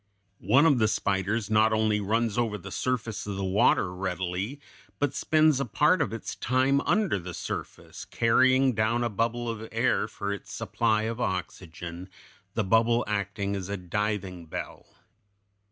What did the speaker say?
One of the spiders not only runs over the surface of the water readily, but spends a part of its time under the surface, carrying down a bubble of air for its supply of oxygen, the bubble acting as a diving bell.